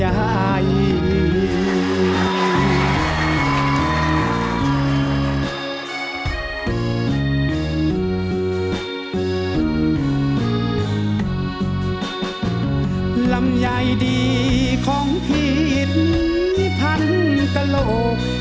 ลำใหญ่ดีของพี่มีพันกะโลก